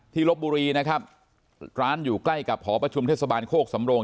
ลบบุรีนะครับร้านอยู่ใกล้กับหอประชุมเทศบาลโคกสำโรง